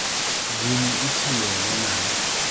Gini itiyo go nade?